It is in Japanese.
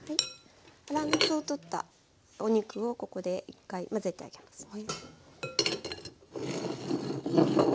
粗熱を取ったお肉をここで１回混ぜてあげますね。